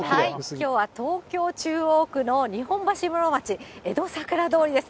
きょうは東京・中央区の日本橋室町、えどさくら通りです。